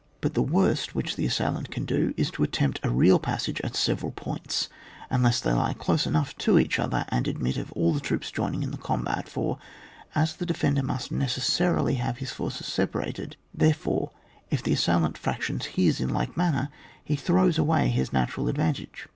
— But the worst which an assailant ban do, is to attempt a real passage at several points, unless they lie close to each other and admit of all the troops joining in the combat ; for as the defender must necessarily have his forces separated, therefore, if the as sailant fractions his in like manner, he throws away his natural advantage.